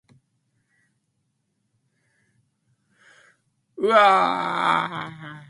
This appearance gained them valuable exposure and critical acclaim.